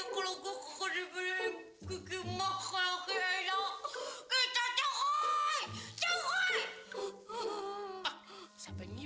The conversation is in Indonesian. ku asik sendiri